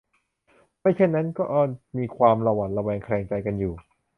ไม่เช่นนั้นก็มีความหวั่นระแวงแคลงใจกันอยู่